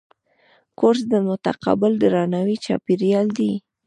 کورس د متقابل درناوي چاپېریال دی.